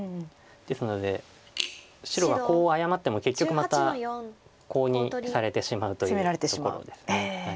ですので白はコウを謝っても結局またコウにされてしまうというところです。